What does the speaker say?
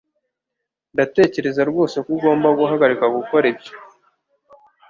Ndatekereza rwose ko ugomba guhagarika gukora ibyo.